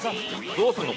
どうすんの？